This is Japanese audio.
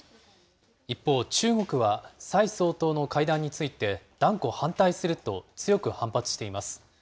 一方、中国は蔡総統の会談について、断固反対すると強く反発しています。